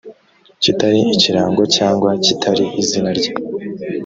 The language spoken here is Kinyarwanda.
kitari ikirango cyangwa kitari izina rye